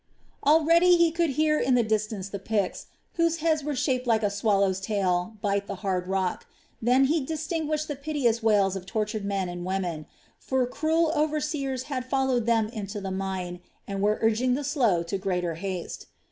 Already he could hear in the distance the picks, whose heads were shaped like a swallow's tail, bite the hard rock. Then he distinguished the piteous wails of tortured men and women; for cruel overseers had followed them into the mine and were urging the slow to greater haste.